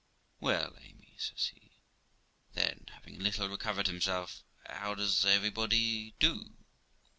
'Well, Amy', says he then (having a little recovered himself), 'how does everybody do?